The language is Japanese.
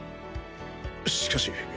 しかし。